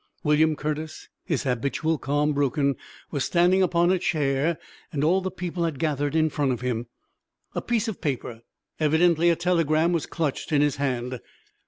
William Curtis, his habitual calm broken, was standing upon a chair and all the people had gathered in front of him. A piece of paper, evidently a telegram, was clutched in his hand.